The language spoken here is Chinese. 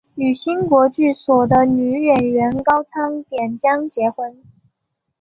与新国剧所的女演员高仓典江结婚。